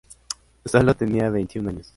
Sólo tenía veintiún años.